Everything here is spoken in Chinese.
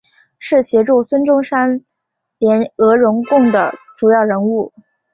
是协助孙中山联俄容共的主要人物。